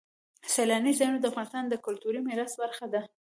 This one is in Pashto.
سیلاني ځایونه د افغانستان د کلتوري میراث برخه ده.